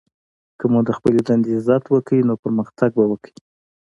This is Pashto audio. که مو د خپلي دندې عزت وکړئ! نو پرمختګ به وکړئ!